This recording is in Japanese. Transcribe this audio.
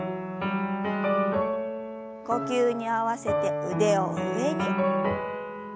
呼吸に合わせて腕を上に。